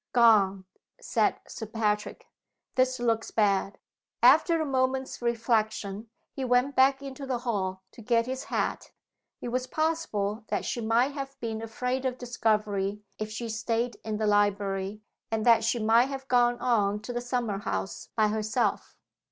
"Gone!" said Sir Patrick. "This looks bad." After a moment's reflection he went back into the hall to get his hat. It was possible that she might have been afraid of discovery if she staid in the library, and that she might have gone on to the summer house by herself.